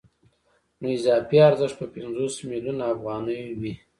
نو اضافي ارزښت به پنځوس میلیونه افغانۍ وي